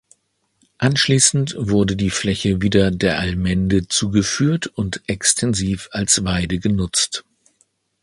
Anschließend wurde die Fläche wieder der Allmende zugeführt und extensiv als Weide genutzt.